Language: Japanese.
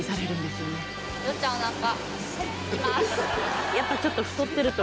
よっちゃん、おなか。